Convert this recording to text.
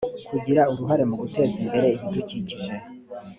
kugira uruhare mu guteza imbere ibidukikije